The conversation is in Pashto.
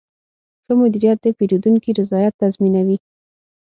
ښه مدیریت د پیرودونکي رضایت تضمینوي.